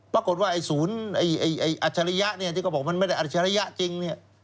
ปรากฏว่าสูรไอ้อัชรยะที่จะบอกว่ามันไม่ได้อัชรยะจริง